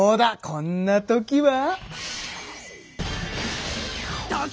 こんな時は！